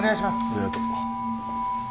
ありがとう。